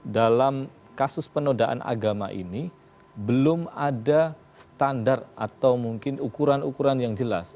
dalam kasus penodaan agama ini belum ada standar atau mungkin ukuran ukuran yang jelas